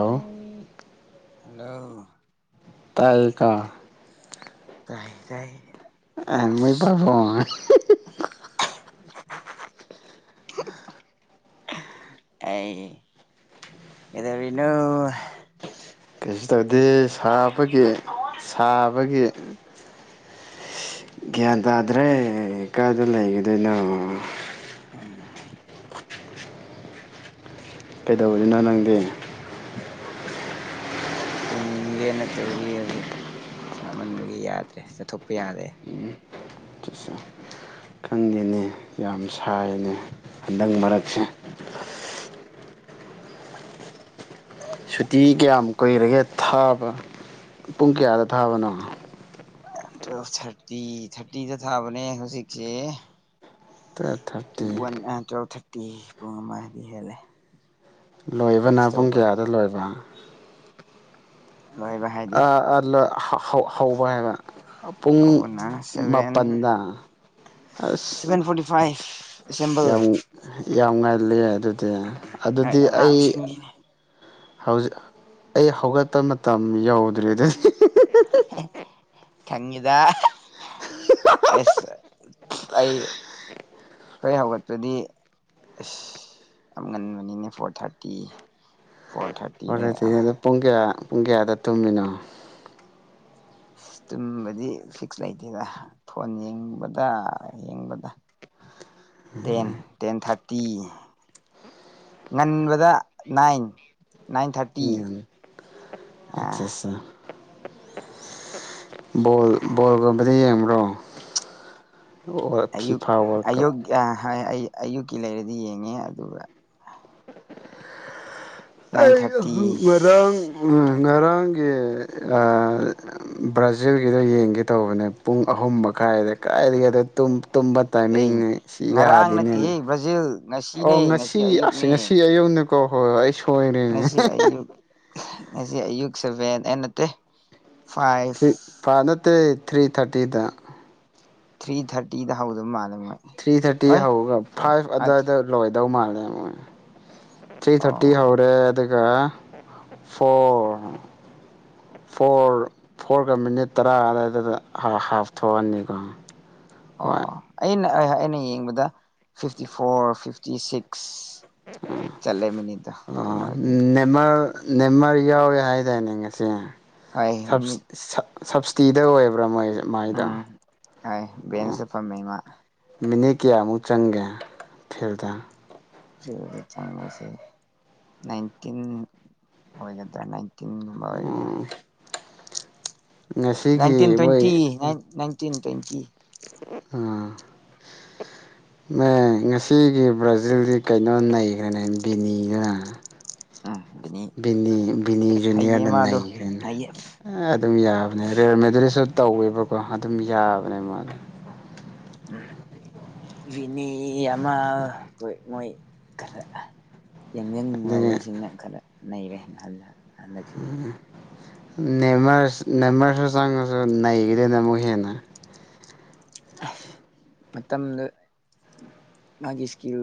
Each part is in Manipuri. ꯍꯜꯂꯣ ꯍꯜꯂꯣ ꯇꯥꯏꯌꯦ ꯅꯠꯇꯔꯣ ꯇꯥꯏ ꯇꯥꯏ ꯑꯃꯣꯏ ꯄꯥꯕꯣ ꯑꯩ ꯀꯩꯗꯧꯔꯤꯅꯣ ꯀꯩꯁꯨ ꯇꯧꯗꯦ ꯁꯥꯕꯒꯤ ꯁꯥꯕꯒꯤ ꯒ꯭ꯌꯥꯟ ꯇꯥꯗ꯭ꯔꯦ ꯀꯀꯥꯏꯗ ꯂꯩꯕꯅꯤꯅ ꯎ [unintelligible] ꯀꯩꯗꯧꯔꯤꯅꯣ ꯅꯪꯗꯤ ꯇꯨꯝꯒꯦꯅ ꯇꯧꯔꯤ ꯍꯧꯖꯤꯛ ꯆꯃꯟꯕꯒꯤ ꯌꯥꯗ꯭ꯔꯦ ꯆꯠꯊꯣꯛꯄ ꯌꯥꯗ꯭ꯔꯦ ꯈꯪꯗꯦꯅꯦ ꯌꯥꯝ ꯁꯥꯏꯅꯦ ꯍꯟꯗꯛ ꯃꯔꯛꯁꯦ ꯁꯨꯇꯤ ꯀꯌꯥꯃꯨꯛ ꯀꯨꯏꯔꯒꯦ ꯊꯥꯕ ꯄꯨꯡ ꯀꯌꯥꯗ ꯊꯥꯕꯅꯣ ꯇꯨ ꯊꯥꯔꯇꯤ ꯊꯥꯔꯇꯤꯗ ꯊꯥꯕꯅꯦ ꯍꯧꯖꯤꯛꯁꯦ ꯇꯨꯌꯦꯞ ꯊꯥꯔꯇꯤ ꯇ ꯄꯨꯡ ꯃꯥꯗꯤ ꯍꯦꯜꯂꯦ ꯂꯣꯏꯕꯅ ꯔꯦꯁ ꯄꯨꯡ ꯇꯧꯕ ꯀꯌꯥꯗ ꯂꯣꯏꯕ ꯂꯣꯏꯕ ꯍꯥꯏꯗꯤ ꯑ ꯑꯂꯣ ꯍꯧꯕ ꯍꯥꯏꯕ ꯄꯨꯡ ꯍꯧꯕꯅ ꯁꯚꯦꯟ ꯃꯥꯄꯜꯗ ꯑꯁ ꯁꯚꯦꯟ ꯐꯣꯔꯇꯤ ꯐꯥꯏꯚ ꯑꯦꯁꯦꯝꯕꯜ ꯌꯥꯝ ꯌꯥꯝ ꯉꯥꯏꯂꯦ ꯑꯗꯨꯗꯤ ꯅꯣꯏ ꯑꯗꯨꯗꯤ ꯑꯩ ꯑꯉꯥꯡꯁꯤꯡꯒꯤꯅꯤ ꯍꯧꯖꯤꯛ ꯑꯩ ꯍꯧ ꯒꯠꯄ ꯃꯇꯝ ꯌꯧꯗ꯭ꯔꯦ ꯑꯗꯨꯗꯤ ꯍ [unintelligible] ꯈꯪꯉꯤꯗ ꯑꯦꯁ ꯑꯩ ꯍꯣꯏ ꯍꯧꯒꯠꯄꯗꯤ ꯑꯁ ꯌꯥꯝ ꯉꯟꯕꯅꯤꯅꯦ four thirty four thirty four thirty ꯄꯨꯡ ꯀꯌꯥ ꯄꯨꯡ ꯀꯌꯥꯗ ꯇꯨꯝꯃꯤꯅꯣ ꯇꯨꯝꯕꯗꯤ ꯐꯤꯛꯁ ꯂꯩꯇꯦꯗ ꯐꯣꯟ ꯌꯦꯡꯕꯗ ꯌꯦꯡꯕꯗ ꯇꯦꯟ ꯇꯦꯟ ꯊꯥꯔ ꯇꯤ ꯉꯟꯕꯗ ꯅꯥꯏꯟ ꯅꯥꯏꯟ ꯊꯥꯔꯇꯤ ꯎꯝ ꯑꯆꯥ ꯑꯠꯆꯥ ꯣ ꯕꯣꯜꯒꯨꯝꯕꯗ ꯌꯦꯡꯕ꯭ꯔꯣ ꯑꯌꯨꯛ ꯐꯤꯐꯥ ꯋꯥꯔꯜ ꯀꯞ ꯑꯌꯒ ꯍꯣꯏ ꯑꯌꯨꯛꯀꯤ ꯂꯩꯔꯗꯤ ꯌꯦꯡꯉꯦ ꯑꯗꯨꯒ ꯅꯥꯏꯟ ꯑꯩ ꯊꯥꯔꯇꯤ ꯃꯔꯥꯡ ꯎ ꯉꯔꯥꯡ ꯁꯝꯒꯤ ꯕ꯭ꯔꯥꯖꯤꯜꯒꯤꯗꯣ ꯌꯦꯡꯒꯦ ꯇꯧꯕꯅꯦ ꯄꯨꯡ ꯑꯍꯨꯝ ꯃꯈꯥꯏꯗ ꯀꯗꯥꯥꯏꯗꯒꯤ ꯑꯗꯣ ꯇꯨꯝꯕ ꯑꯩ ꯇꯥꯏꯃꯤꯡꯅꯦ ꯁꯤ ꯉꯔꯥꯡ ꯌꯥꯗꯦꯅꯦꯅ ꯅꯠꯇꯦꯍꯦ ꯕ꯭ꯔꯥꯖꯤꯜ ꯑꯣ ꯉꯁꯤꯅꯦ ꯉꯁꯤ ꯑꯁ ꯉꯁꯤ ꯑꯌꯨꯝꯗ ꯀꯣ ꯍꯣꯏ ꯁꯣꯏꯔꯦꯅꯦ ꯅꯁꯤ ꯑꯨ ꯉꯁꯤ ꯑꯌꯨꯛ ꯁꯕꯦꯟ ꯑꯦ ꯅꯠꯇꯦ ꯊꯔꯤ ꯐꯥꯏꯚ ꯐꯥꯅꯠꯇ꯭ꯔꯦ ꯊ꯭ꯔꯤ ꯊꯥꯔꯇꯤꯗ ꯊ꯭ꯔꯤ ꯊꯥꯔꯇꯤꯗ ꯍꯧ ꯑꯗꯨ ꯃꯥ ꯊ꯭ꯔꯤ ꯊꯥꯔꯇꯤ ꯍꯧꯒ ꯐꯥꯏꯚ ꯑꯥ ꯊ꯭ꯔꯤ ꯑꯗꯨꯋꯥꯏꯗ ꯂꯣꯏ ꯗꯧ ꯃꯥꯜꯂꯦ ꯃꯣꯏ ꯊ꯭ꯔꯤ ꯊꯔꯇꯤ ꯑꯣ ꯍꯧꯔꯦ ꯑꯗꯨꯒ ꯐꯣꯔ ꯐꯣꯔ ꯐꯣꯔꯒ ꯃꯤꯅꯤꯠ ꯇꯔꯥ ꯑꯗꯨꯋꯥꯏꯗꯨꯗ ꯍꯥꯐ ꯊꯣꯛꯑꯅꯤꯀꯣ ꯑꯣ ꯍꯣꯏ ꯑꯩꯅ ꯑꯩꯅ ꯌꯦꯡꯕꯗ ꯐꯤꯐꯇꯤ ꯐꯣꯔ ꯐꯤꯐꯇꯤ ꯁꯤꯛꯁ ꯆꯂꯦꯃꯤꯅꯤꯗ ꯀꯩꯅꯣꯒꯦ ꯅꯦꯝꯃꯔ ꯌꯥꯎꯋꯦ ꯍꯥꯏꯇꯥꯅꯦ ꯉꯁ ꯍꯣꯏ ꯃꯤꯅꯤꯠ [unintelligible] ꯁꯞꯕꯁꯤꯗꯤꯗ ꯑꯣꯏꯕ꯭ꯔꯥ ꯃꯣꯏ ꯃꯥꯏꯗꯣ ꯎꯝ ꯍ ꯦꯟꯁꯦ ꯐꯝꯃꯦꯃ ꯃꯤꯅꯦ ꯀꯌꯥꯃꯨꯛ ꯆꯪꯒꯦ ꯐꯤꯔꯗ ꯆꯪꯕꯁꯦ ꯅꯥꯏꯟꯇꯤꯟ ꯑꯣꯏꯒꯗ꯭ꯔꯥ ꯇꯤꯟ ꯇꯕꯕꯒꯗ꯭ꯔꯥ ꯎꯝ ꯅꯥꯏꯟꯇꯤꯟ ꯉꯁꯤꯒꯤ ꯃꯣꯏ ꯇ꯭ꯋꯦꯟꯇꯤ ꯐꯇꯤꯟ ꯇ꯭ꯋꯦꯟꯀꯤꯤ ꯑ ꯃ ꯉꯁꯤꯒꯤ ꯕ꯭ꯔꯥꯖꯤꯜꯗꯤ ꯀꯩꯅꯣ ꯂꯩꯈ꯭ꯔꯦꯅꯦ ꯕꯤꯅꯤꯗꯨꯅ ꯎꯝ ꯕꯤꯅꯤ ꯕꯤꯅꯤ ꯍꯩꯌꯦ ꯖꯨꯅꯤꯌꯔꯅ ꯃꯥꯗꯣ ꯅꯩꯈ꯭ꯔꯦꯅꯦ ꯍꯩꯌꯦ ꯑꯗꯨꯝ ꯌꯥꯕꯅꯦ ꯔꯌꯔ ꯃꯦꯗꯔꯤꯁꯨ ꯇꯧꯋꯦꯕꯀꯣ ꯑꯗꯨꯝ ꯌꯥꯕꯅꯦ ꯃꯥꯅ [unintelligible] ꯃꯤ ꯑꯃ ꯑꯩꯈꯣꯏ ꯃꯣꯏ ꯀ ꯌꯥꯡꯖꯪ ꯑꯗꯒꯤ ꯂꯕꯁꯤꯡꯅ ꯈꯔ ꯅ ꯔꯃꯜ ꯍꯟꯅꯛꯁꯤꯅꯦ ꯅꯃ ꯅꯦꯝꯃꯔꯁꯨ ꯆꯪꯉꯁꯨ ꯅꯩꯈꯤꯗꯦꯅ ꯑꯃꯨꯛ ꯍꯦꯟꯅ ꯃꯇꯝꯗ ꯃꯥꯒꯤ ꯏꯁꯀꯤꯜ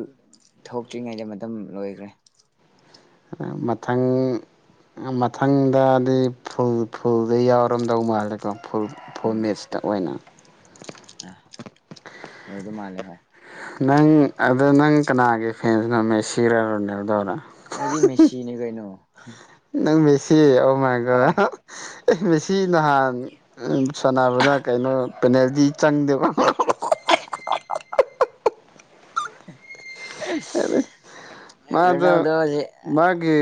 ꯊꯣꯛꯇ꯭ꯔꯤꯉꯩꯗ ꯃꯇꯝ ꯂꯣꯏꯈ꯭ꯔꯦ ꯃꯊꯪ ꯃꯊꯪꯗꯗꯤꯩ ꯐꯨꯜ ꯐꯨꯜꯗꯩ ꯌꯥꯎꯔꯝꯗꯧ ꯃꯥꯜꯂꯦꯀꯣ ꯐꯨ ꯎꯝ ꯐꯣꯔꯃꯦꯠꯁꯇ ꯑꯣꯏꯅ ꯑ ꯌꯧꯗꯧ ꯃꯥꯜꯂꯦ ꯍꯣꯏ ꯅꯪ ꯑꯗ ꯅꯪ ꯀꯅꯥꯒꯤ ꯐꯦꯟꯁꯤꯅꯣ ꯃ ꯁꯤꯔꯔꯅꯦꯕꯗꯧꯔꯥ ꯑꯩꯗꯤ ꯃꯦꯁꯤꯅꯦ ꯀꯩꯅꯣ ꯅꯪ ꯃꯦꯁꯤ ꯑꯃꯒ ꯍꯣꯏ ꯃꯦꯁꯤ ꯅꯍꯥꯟ ꯁꯥꯟꯅꯕꯅ ꯀꯩꯅꯣ ꯄꯅꯦꯗꯤ ꯆꯪꯗꯕ ꯍ ꯃꯥꯗ ꯔꯣꯅꯥꯜꯗꯣꯁꯦ ꯃꯥꯒꯤ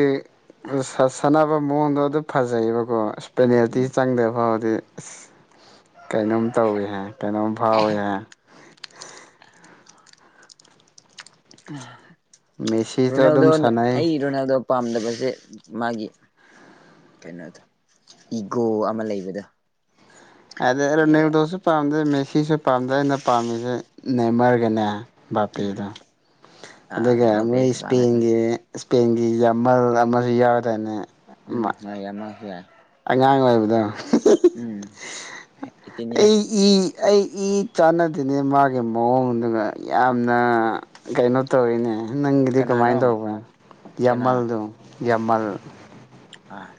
ꯁꯅꯥ ꯑ ꯃꯉꯣꯟꯗꯣ ꯑꯗꯨꯝ ꯐꯖꯩꯌꯦꯕꯀꯣ ꯑ ꯄꯦꯅꯦꯜꯇꯤ ꯎꯝ ꯆꯪꯗ꯭ꯔꯕ ꯐꯥꯎꯔꯗꯤ [unintelligible] ꯀꯩꯅꯣꯝ ꯇꯧꯏ ꯍꯥꯏ ꯀꯩꯅꯣꯝ ꯐꯥꯎꯏ ꯍꯥꯏ ꯎ ꯃꯦꯁꯤꯁꯨ ꯅ ꯎꯗꯣ ꯑꯗꯨꯝ ꯁꯥꯟꯅꯩ ꯑꯩꯅꯗꯣ ꯄꯥꯝꯗꯕ ꯁꯦ ꯃꯥꯒꯤ ꯀꯩꯅꯣꯗ ꯏꯒꯣ ꯑꯃ ꯂꯩꯕꯗ ꯑꯗ ꯔꯅꯦꯝ ꯗꯣꯥꯎ ꯄꯥꯝꯗꯩ ꯃꯦꯁꯤꯁꯨ ꯄꯥꯝꯗꯩ ꯑꯩꯅ ꯄꯥꯝꯃꯤꯁꯦ ꯅꯦꯝꯃꯔꯒꯅꯦ ꯕꯥꯄꯦꯗꯣ ꯑꯥ ꯑꯗꯨꯒ ꯃꯣꯏ ꯕꯥꯄꯦꯁꯨ ꯄꯥꯝꯃꯦ ꯎꯝ ꯏꯁꯄꯦꯟꯒꯤ ꯏꯁꯄꯦꯟꯒꯤ ꯌꯥꯝꯃꯜ ꯑꯃꯁꯨ ꯌꯥꯎꯋꯗꯅꯦ ꯎꯝ ꯍꯃꯁꯨ ꯌꯥꯏ ꯑꯉꯥꯡ ꯑꯣꯏꯕꯗꯣ ꯎꯝ ꯑꯩꯠꯇꯤꯟ ꯑꯩ ꯌꯔꯁ ꯏ ꯑꯩ ꯏ ꯆꯥꯟꯅꯗꯅꯦ ꯃꯥꯒꯤ ꯃꯑꯣꯡꯗꯨꯒ ꯌꯥꯝꯅ ꯀꯩꯅꯣ ꯇꯧꯔꯤꯅꯦ ꯅꯪꯒꯤꯗꯤ ꯀꯅꯥꯅꯣ ꯀꯃꯥꯏꯅ ꯇꯧꯕ ꯀꯅꯥ ꯌꯥꯝꯃꯜꯗꯨꯣ ꯌꯥꯝꯃꯜ ꯑꯥ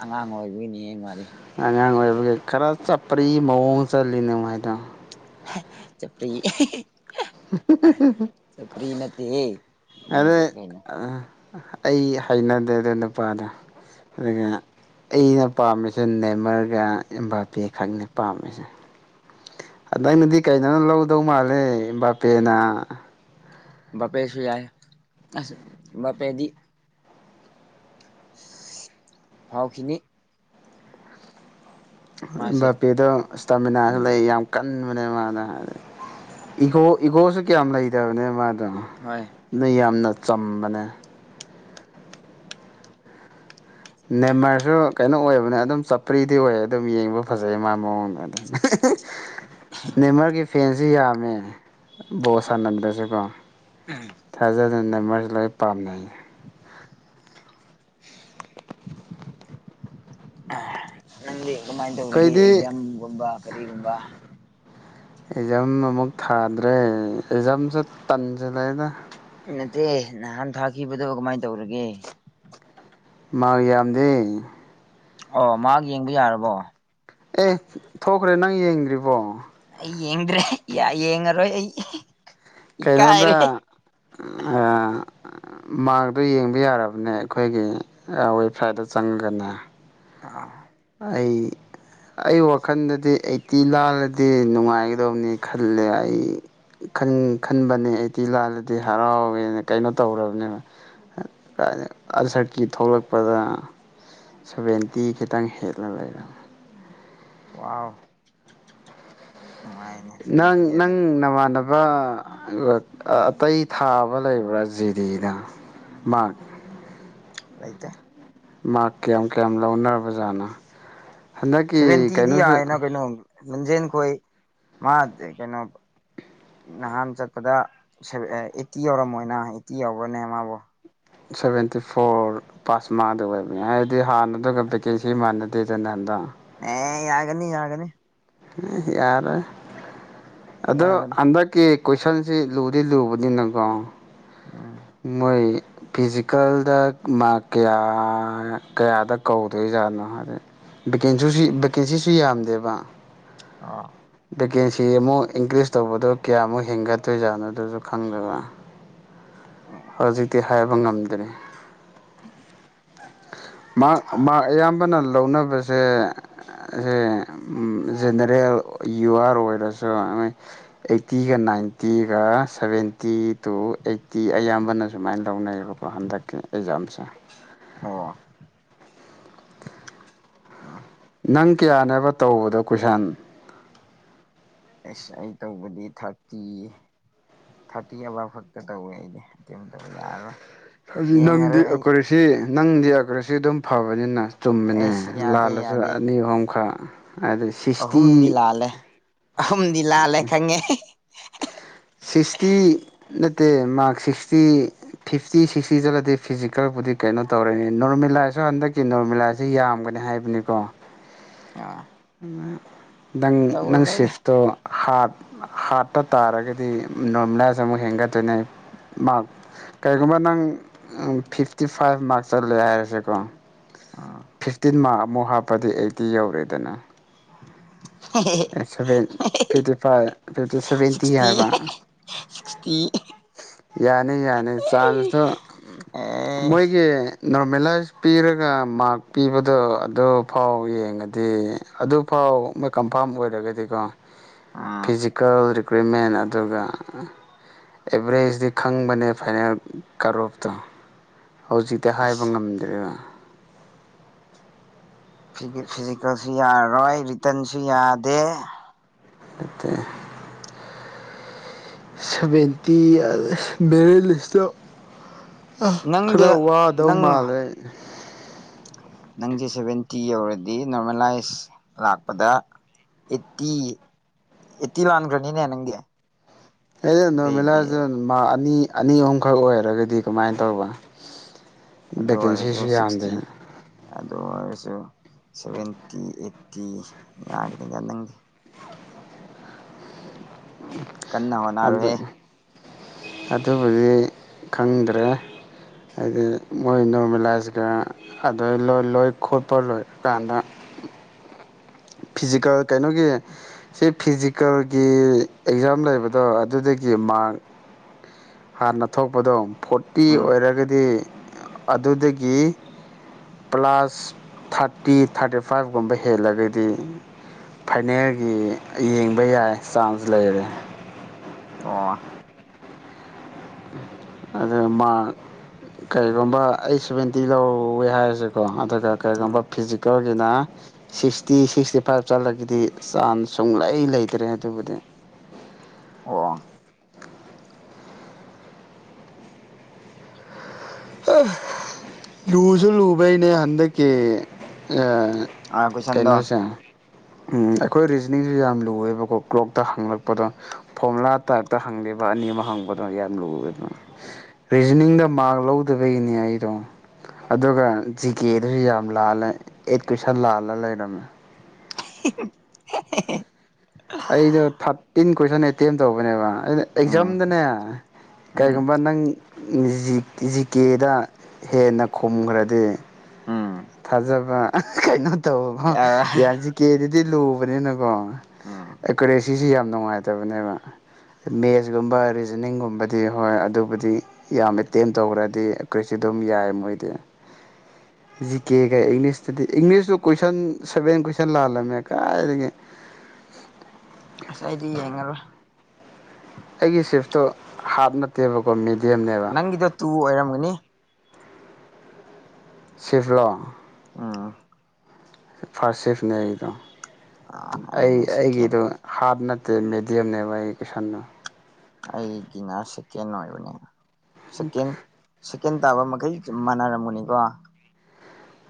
ꯑꯉꯥꯡ ꯑꯣꯏꯕꯒꯤꯅꯦ ꯃꯥꯗꯤ ꯑꯉꯥꯡ ꯑꯣꯏꯕꯒꯤ ꯈꯔ ꯆꯞꯄꯔꯤ ꯃꯑꯣꯡ ꯆꯜꯂꯤꯅ ꯍꯥꯏꯗꯣ ꯆꯄ꯭ꯔꯤ ꯆꯄ꯭ꯔꯤ ꯅꯠꯇꯦꯍꯦ ꯑꯗ ꯅꯪꯁꯨ ꯀꯩꯅꯣ ꯑ ꯑꯩ ꯍꯩꯅꯗꯦꯗꯣ ꯅꯨꯄꯥꯗꯣ ꯑꯗꯨꯒ ꯑꯩꯅ ꯄꯥꯝꯃꯤꯁꯦ ꯅꯦꯃꯔꯒ ꯏꯕꯥꯄꯤ ꯈꯛꯅꯤ ꯄꯥꯝꯃꯤꯁꯦ ꯅꯪꯅꯗꯤ ꯀꯩꯅꯣꯪ ꯂꯧꯗꯧ ꯃꯥꯜꯂꯦ ꯕꯥꯄꯦꯅ ꯕꯄꯦꯁꯨ ꯌꯥ ꯑꯁ ꯕꯄꯦꯗꯤ ꯐꯥꯎꯈꯅꯤꯤ ꯃꯥꯁꯦ ꯕꯥꯄꯤꯦꯗ ꯏꯁꯇꯥꯃꯤꯅꯥꯁꯨ ꯎꯝ ꯂꯩ ꯌꯥꯝ ꯀꯟꯅ ꯏ ꯏꯒꯣꯁꯨ ꯀꯌꯥꯝ ꯂꯩꯇꯕꯅꯦ ꯃꯥꯅ ꯍꯣꯏ ꯅ ꯌꯥꯝꯅ ꯆꯝꯕꯅ ꯅꯦꯝꯃꯔꯁꯨ ꯀꯩꯅꯣ ꯑꯣꯏꯕꯅꯦ ꯑꯗꯨꯝ ꯆꯄ꯭ꯔꯤꯗꯤ ꯑꯣꯏꯌꯦ ꯑꯗꯨꯝ ꯌꯦꯡꯕ ꯐꯖꯩ ꯃꯥ ꯃꯑꯣꯡꯗ ꯑꯗꯨ ꯅꯦꯃꯔꯒ ꯏꯐ ꯐꯦꯟꯁꯤ ꯌꯥꯝꯃꯦ ꯕꯣꯁ ꯁꯥꯟꯅꯝꯗꯁꯨꯀꯣ ꯎꯝ ꯑꯗꯨꯅꯃꯁꯨ ꯂꯣꯏ ꯄꯥꯝꯅꯩ ꯑ ꯅꯪꯗꯤ ꯀꯃꯥꯏꯅ ꯇꯧꯔꯤꯒꯦ ꯑꯩꯈꯣꯏꯗꯤ ꯑꯦꯛꯖꯥꯝꯒꯨꯝꯕ ꯀꯔꯤꯒꯨꯝꯕ ꯑꯦꯛꯖꯥꯝ ꯑꯃꯨꯛ ꯊꯥꯗ꯭ꯔꯦ ꯑꯦꯛꯖꯥꯝꯁꯦ ꯇꯟꯁꯤꯂꯗ ꯅꯠꯇꯦ ꯅꯍꯥꯟ ꯊꯥꯈꯤꯕꯗꯣ ꯀꯃꯥꯏꯅ ꯇꯧꯔꯒꯦ ꯃꯥ ꯌꯥꯝꯗꯦ ꯑꯣ ꯃꯥ ꯌꯦꯡꯕ ꯌꯥꯔꯕꯣ ꯑꯦ ꯊꯣꯛꯈ꯭ꯔꯦ ꯅꯪ ꯌꯦꯡꯗ꯭ꯔꯤꯕꯣ ꯑꯩ ꯌꯦꯡꯗ꯭ꯔꯦ ꯌꯦꯡꯉꯔꯣꯏ ꯑꯩ ꯀꯩꯅꯣꯗ ꯏꯀꯥꯏꯔꯦ ꯃꯥꯔꯗꯣ ꯌꯦꯡꯕ ꯌꯥꯔꯕꯅꯦ ꯑꯩꯈꯣꯏꯒꯤ ꯋꯦꯕꯁꯥꯏꯠꯇ ꯆꯪꯉꯒꯅꯦ ꯑ ꯑꯩ ꯑꯩ ꯋꯥꯈꯜꯗꯗꯤ ꯑꯩꯠꯇꯤ ꯂꯥꯜꯂꯗꯤ ꯅꯨꯡꯉꯥꯏꯒꯗꯕꯅꯤ ꯈꯜꯂꯦ ꯑꯩ ꯈꯟꯕꯅꯦ ꯑꯩꯠꯇꯤ ꯂꯥꯜꯂꯗꯤ ꯍꯔꯥꯎꯋꯦꯅ ꯀꯩꯅꯣ ꯇꯧꯔꯕꯅꯦꯕ ꯑꯜꯁꯔꯀꯤ ꯊꯣꯛꯂꯛꯄꯗ ꯁꯚꯦꯟꯇꯤ ꯈꯤ ꯈꯤꯇꯪ ꯍꯠꯂ ꯂꯩꯔꯃꯤ ꯋꯥ ꯅꯪ ꯁꯚꯦꯟꯇꯤ ꯅꯪ ꯍꯦꯜꯂꯗꯤ ꯅꯃꯥꯟꯅꯕ ꯑꯇꯩ ꯊꯥꯕ ꯂꯩꯕ꯭ꯔꯥ ꯖꯤꯗꯤꯗ ꯃꯥ ꯂꯩꯥꯏꯇ ꯀꯌꯥꯝ ꯀꯌꯥꯝ ꯂꯧꯅꯔꯕ ꯖꯥꯠꯅ ꯍꯟꯗꯛꯀꯤ ꯀꯩꯅꯣꯁꯨ ꯂꯝꯟꯖꯦꯜ ꯈꯣꯏ ꯃꯥ ꯀꯩꯅꯣ ꯅꯍꯥꯟ ꯆꯠꯄꯗ ꯑꯩꯠꯇꯤ ꯌꯥꯎꯔꯝꯃꯣꯏꯅ ꯑꯩꯠꯇꯤ ꯌꯥꯎꯕꯅꯦ ꯃꯥꯕꯨꯣ ꯁꯚꯦꯟꯇꯤ ꯐꯣꯔ ꯄꯥꯁ ꯃꯉꯗ ꯑꯣꯏꯕꯅꯦ ꯍꯥꯏꯗꯤ ꯍꯥꯟꯅꯗꯨꯒ ꯚꯦꯀꯦꯟꯁꯤ ꯃꯥꯟꯅꯗꯦꯗꯅ ꯅ ꯍꯟꯗꯛ ꯑꯦ ꯌꯥꯒꯅꯤ ꯌꯥꯒꯅꯤ ꯌꯥꯔ ꯑꯗꯣ ꯌꯥꯒꯅꯤ ꯑꯗ ꯀꯦ ꯀꯣꯏꯁꯟꯁꯤ ꯂꯨꯗꯤ ꯂꯨꯕꯅꯤꯅꯀꯣ ꯎꯝ ꯃꯣꯏ ꯐꯤꯖꯤꯀꯦꯜꯗ ꯃꯥꯔꯛ ꯀꯌꯥ ꯀꯌꯥꯗ ꯀꯧꯗꯣꯏꯖꯥꯠꯅꯣ ꯍꯥꯏꯗꯤ ꯚꯦꯀꯦꯟꯁꯤꯁꯤ ꯚꯦꯀꯦꯟꯁꯤꯁꯨ ꯌꯥꯝꯗꯦꯕ ꯑ ꯚꯦꯀꯦꯟꯁꯤ ꯑꯃꯨꯛ ꯏꯟꯀ꯭ꯔꯤꯖ ꯇꯧꯕꯗꯣ ꯀꯌꯥꯃꯨꯛ ꯍꯦꯟꯒꯠꯇꯣꯏꯖꯥꯠꯅꯣꯗꯨꯁꯨ ꯈꯪꯗꯕꯥ ꯍꯧꯖꯤꯛꯗꯤ ꯍꯥꯏꯕ ꯉꯝꯗ꯭ꯔꯦ ꯃꯥ ꯃꯥ ꯑꯌꯥꯝꯕꯅꯜ ꯂꯧꯅꯕꯁꯦ ꯁꯦ ꯖꯦꯅꯦꯔꯦꯜ ꯌꯨ ꯑꯥꯔ ꯑꯣꯏꯔꯁꯨ ꯃꯣꯏ ꯑꯩꯠꯇꯤꯒ ꯅꯥꯏꯟꯇꯤꯒ ꯁꯚꯦꯟꯇꯤ ꯇꯨ ꯑꯩꯠꯇꯤ ꯑꯌꯥꯝꯕꯅ ꯁꯨꯃꯥꯏꯅ ꯂꯧꯅꯩꯌꯦꯕꯀꯣ ꯍꯟꯗꯛꯀꯤ ꯑꯦꯛꯖꯥꯝꯁꯦ ꯑꯣ ꯑ ꯅꯪ ꯀꯌꯥꯅꯦꯕ ꯇꯧꯕꯗꯣ ꯀꯨꯏꯁꯥꯟ ꯑꯁ ꯑꯩ ꯇꯧꯕꯗꯤ ꯊꯥꯔꯇꯤ ꯊꯥꯔꯇꯤ ꯑꯃ ꯐꯛꯇ ꯇꯧꯋꯦ ꯑꯩꯗꯤꯇꯦꯝ ꯇꯧꯕ ꯌꯥꯔꯔꯣꯏ ꯍꯥꯏ ꯅꯪꯗꯤ ꯌꯦꯡꯉꯔꯣꯏ ꯑꯩ ꯀꯧꯔꯁꯤ ꯅꯪꯗꯤ ꯑꯒ꯭ꯔꯁꯤ ꯑꯗꯨꯝ ꯐꯕꯅꯤꯅ ꯆꯨꯝꯃꯤꯅꯦ ꯑꯩꯁ ꯌꯥꯗꯦ ꯂꯥꯜꯂꯁꯨ ꯌꯥꯗꯦ ꯑꯅꯤ ꯑꯍꯨꯝꯈꯛ ꯑ ꯁꯤꯁꯇꯤ ꯑꯍꯨꯝꯗꯤ ꯂꯥꯜꯂꯦ ꯑꯍꯨꯝꯗꯤ ꯂꯥꯜꯂꯦ ꯈꯪꯉꯦ ꯁꯤꯛꯁꯇꯤ ꯅꯠꯇꯦ ꯃꯥꯔꯛ ꯁꯤꯛꯁꯇꯤ ꯐꯤꯐꯇꯤ ꯁꯤꯛꯁꯇꯤ ꯆꯠꯂꯗꯤ ꯐꯤꯖꯤꯀꯦꯜꯕꯨꯨꯗꯤ ꯀꯩꯅꯣ ꯇꯧꯔꯅꯤ ꯅꯣꯔꯃꯦꯂꯥꯏꯁꯁꯨ ꯍꯟꯗꯛꯀꯤ ꯅꯣꯔꯃꯦꯂꯥꯏꯁꯁꯤ ꯌꯥꯝꯒꯅꯤ ꯍꯥꯏꯕꯅꯤꯀꯣ ꯑ ꯑ ꯅꯪ ꯅꯪ ꯁꯤꯐꯇꯣ ꯍꯥꯞ ꯍꯥꯠ ꯍꯥ ꯇ ꯇꯥꯔꯒꯗꯤ ꯅꯣꯔꯃꯦꯂꯥꯏꯁ ꯑꯃꯨꯛ ꯍꯦꯟꯒꯠꯇꯣꯏꯅꯦ ꯃꯥꯔꯛ ꯀꯔꯤꯒꯨꯝꯕ ꯅꯪ ꯐꯤꯐꯇꯤ ꯐꯥꯏꯚ ꯃꯥꯔꯛ ꯆꯠꯂꯦ ꯍꯥꯏꯔꯁꯦꯀꯣ ꯑꯥ ꯐꯤꯐꯇꯤꯟ ꯃꯥꯔꯛ ꯑꯃꯨꯛ ꯍꯥꯞꯄꯗꯤ ꯑꯩꯠꯇꯤ ꯌꯧꯔꯦꯗꯅ seven fifty five fifty seventy sixty ꯍꯥꯏꯕ ꯁꯤꯛꯁꯇꯤ ꯌꯥꯏ ꯌꯥꯅꯤ ꯌꯥꯅꯤ ꯆꯥꯟꯁꯇꯣ ꯑꯦ ꯃꯣꯏꯒꯤ ꯅꯣꯔꯃꯦꯂꯥꯏꯁ ꯄꯤꯔꯒ ꯃꯥꯛ ꯄꯤꯕꯗꯣ ꯑꯗꯨꯐꯥꯎ ꯌꯦꯡꯉꯗꯤ ꯑꯗꯨꯐꯥꯎ ꯃꯣꯏ ꯑꯝꯐꯥꯝ ꯑꯣꯏꯔꯒꯗꯤꯀꯣ ꯑꯥ ꯐꯤꯖꯤꯀꯦꯜ ꯔꯤꯀ꯭ꯔꯨꯏꯠꯃꯦꯟ ꯑꯗꯨꯒ ꯑꯦꯚꯔꯦꯖꯇꯤ ꯈꯪꯕꯅꯦ ꯐꯥꯏꯅꯦꯜ ꯀꯔꯣꯞꯇꯣ ꯍꯧꯖꯤꯛꯇꯤ ꯍꯥꯏꯕ ꯑꯁ ꯉꯝꯗ꯭ꯔꯦꯗ ꯐꯤꯖꯤꯀꯦꯜꯁꯨ ꯌꯥꯔꯔꯣꯏ ꯔꯤꯇꯔꯟꯁꯨ ꯌꯥꯗꯦ ꯁꯕꯦꯟꯇ ꯃꯔ ꯂꯤꯁꯇ ꯑ ꯈꯔ ꯅꯪꯗꯤ ꯋꯥꯗꯧ ꯅꯪ ꯃꯥꯜꯂꯦ ꯅꯪꯁꯦ ꯁꯚꯦꯟꯇꯤ ꯌꯧꯔꯗꯤ ꯅꯣꯔꯃꯦꯂꯥꯏꯁ ꯂꯥꯛꯄꯗ ꯑꯦꯠꯇꯤ ꯑꯦꯠꯇꯤ ꯋꯥꯟꯈ꯭ꯔꯅꯤꯅꯦ ꯅꯪꯒꯤ ꯑꯦ ꯅ ꯃꯦꯂꯔꯖ ꯃꯥꯅꯤ ꯑꯅꯤ ꯑꯍꯨꯝꯈꯛ ꯑꯣꯏꯔꯒꯗꯤ ꯀꯃꯥꯏꯅ ꯇꯧꯕ ꯑꯗꯨ ꯑꯣꯏꯔꯁꯨ ꯦꯀꯦꯟꯁꯤꯁꯤ ꯑꯗ ꯁꯤꯛꯁꯇꯤ ꯑꯗꯨ ꯑꯣꯏꯔꯁꯨ ꯁꯚꯦꯟꯇꯤ ꯑꯩꯠꯇꯤ ꯌꯥꯒꯅꯤꯗ ꯅꯪꯗꯤ ꯀꯟꯅ ꯋꯥꯅꯔ ꯑꯗꯨ ꯍꯦ ꯑꯗꯨꯕꯨꯗꯤ ꯈꯪꯗ꯭ꯔꯦ ꯍꯥꯏꯗꯤ ꯃꯣꯏ ꯅꯣꯔꯃꯦꯂꯥꯏꯁꯀ ꯑꯗꯨ ꯂꯣꯏ ꯈꯣꯠꯄ ꯂꯣꯏꯔꯀꯥꯟꯗ ꯐꯤꯖꯤꯀꯦꯜ ꯀꯩꯅꯣꯒꯤ ꯁꯤ ꯐꯤꯖꯤꯀꯦꯜꯒꯤ ꯑꯦꯛꯖꯥꯝ ꯂꯩꯕꯗꯣ ꯑꯗꯨꯗꯒꯤ ꯃꯥꯔꯛ ꯍꯥꯟꯅ ꯊꯣꯛꯄꯗꯣ ꯐꯣꯔꯇꯤ ꯎꯝ ꯑꯣꯏꯔꯒꯗꯤ ꯑꯗꯨꯗꯒꯤ ꯄ꯭ꯂꯥꯁ ꯊꯥꯔꯇꯤ ꯊꯥꯔꯇꯤ ꯐꯥꯏꯚꯒꯨꯝꯕ ꯍꯦꯜꯂꯒꯗꯤ ꯐꯥꯏꯅꯦꯜꯒꯤ ꯌꯦꯡꯕ ꯌꯥꯏ ꯆꯥꯟꯁ ꯂꯩꯔꯦ ꯑꯣ ꯑꯗꯨ ꯃꯥ ꯀꯔꯤꯒꯨꯝꯕ ꯑꯩꯠ ꯁꯚꯦꯟꯇꯤ ꯂꯧꯋꯦ ꯍꯥꯏꯔꯁꯦ ꯀꯣ ꯑꯗꯨꯒ ꯎꯝ ꯀꯩꯒꯨꯝꯕ ꯐꯤꯖꯤꯀꯦꯜ ꯑꯗꯨꯅ ꯁꯤꯛꯁꯇꯤ ꯁꯤꯛꯁꯇꯤ ꯐꯥꯏꯚ ꯆꯠꯂꯒꯗꯤ ꯆꯥꯟꯁ ꯁꯨꯡꯂꯩ ꯂꯩꯇ꯭ꯔꯦ ꯑꯗꯨꯕꯨꯗꯤ ꯑꯣ ꯂꯨꯁꯨ ꯂꯨꯕꯩꯅꯦ ꯍꯟꯗꯛꯀꯤ ꯑꯥ ꯀꯣꯏꯁꯟꯗꯣ ꯀꯩꯅꯣꯁꯦ ꯎꯝ ꯑꯩꯈꯣꯏ ꯔꯤꯖꯅꯤꯡꯁꯨ ꯌꯥꯝ ꯂꯨꯑꯦꯕꯀꯣ ꯀ꯭ꯂꯣꯛꯇ ꯍꯪꯂꯛꯄꯗꯣ ꯐꯣꯔꯃꯨꯂꯥ ꯇꯥꯏꯞꯇ ꯍꯪꯉꯦꯕ ꯑꯅꯤ ꯑꯃ ꯍꯪꯕꯗꯣ ꯌꯥꯔ ꯑꯣꯏꯅ ꯔꯤꯖꯅꯤꯡꯗ ꯃꯥꯔꯛ ꯂꯧ ꯑꯗꯨꯕꯒꯤꯅꯤ ꯑꯩꯗꯣ ꯑꯗꯨꯒ ꯖꯤ ꯀꯦꯗꯨꯁꯨ ꯌꯥꯝ ꯂꯥꯜꯂꯦ ꯑꯦꯠ ꯀꯨꯏꯁꯟ ꯂꯥꯜꯂ ꯂꯩꯔꯝꯃꯦ [unintelligible] ꯑꯩꯗꯣ ꯊꯥꯔꯇꯤꯟ ꯀꯣꯏꯁꯟ ꯑꯦꯇꯦꯝ ꯇꯧꯕꯅꯦꯕ ꯑꯩꯅ ꯎꯝ ꯑꯦꯛꯖꯥꯝꯗꯅꯦ ꯎꯝ ꯀꯔꯤꯒꯨꯝꯕ ꯅꯪ ꯖꯤꯀꯦꯗ ꯍꯦꯟꯅ ꯈꯨꯝꯈ꯭ꯔꯗꯤ ꯎꯝ ꯊꯥꯖꯕ ꯀꯅ ꯇ ꯌꯥꯁꯤ ꯀꯦ ꯗꯤ ꯂꯨꯕꯅꯤꯅꯀꯣ ꯎꯝ ꯏꯈ ꯁꯤꯁ ꯌꯥꯝ ꯅꯨꯡꯉꯥꯏꯇꯕꯅꯦꯕ ꯃꯦꯠꯁꯀꯨꯝꯕ ꯔꯤꯖꯅꯤꯡꯒꯨꯝꯕꯗꯤ ꯍꯣꯏ ꯑꯗꯨꯕꯨꯗꯤ ꯌꯥꯝ ꯑꯦꯇꯦꯝ ꯇꯧꯈ꯭ꯔꯗꯤ ꯑꯩꯈꯣꯏꯁꯨ ꯑꯗꯨꯝ ꯌꯥꯏ ꯃꯣꯏꯗꯤ ꯖꯤ ꯀꯦꯒ ꯏꯪꯂꯤꯁꯇꯗꯤ ꯏꯪꯂꯤꯁꯇꯨ ꯀꯣꯏꯁꯟ ꯁꯚꯦꯟ ꯀꯣꯏꯁꯟ ꯂꯥꯜꯂꯝꯃꯦ ꯀꯥꯏꯉ ꯁꯗꯤ ꯌꯥꯉ ꯑꯩꯒꯤ ꯁꯤꯋꯐꯇꯣ ꯍꯥꯞ ꯅꯠꯇꯦꯕꯀꯣ ꯃꯤꯗ ꯅꯪꯗ ꯇꯨ ꯃ ꯁꯤꯐꯂꯣ ꯑꯥ ꯐꯥꯔꯁ ꯁꯦꯐꯅꯦ ꯑꯩꯗꯣ ꯑꯩ ꯑꯩꯅ ꯁꯦꯀꯦꯟ ꯑꯩꯒꯤꯗꯨ ꯍꯥꯔꯠꯅ ꯃꯦꯗꯤꯌꯝꯅꯦꯏ ꯀ ꯁꯨ ꯑꯩꯒꯤꯅꯔ ꯁꯦꯀꯦꯟ ꯑꯣꯏꯕꯅꯦ ꯁꯀꯤꯤꯟ ꯆꯀꯦꯟ ꯇꯥꯕ ꯃꯈꯩ ꯃꯥꯟꯅꯔꯝꯃꯨꯅꯤꯀꯣ